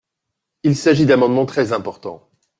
Il s’agit d’amendements très importants.